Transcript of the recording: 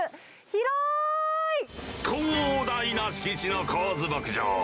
広大な敷地の神津牧場。